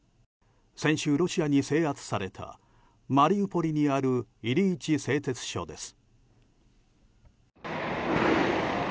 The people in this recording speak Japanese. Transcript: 先週、ロシアに制圧されたマリウポリにあるイリイチ製鉄所です。